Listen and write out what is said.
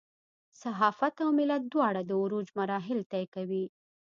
صحافت او ملت دواړه د عروج مراحل طی کوي.